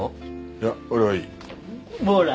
いや俺はいい。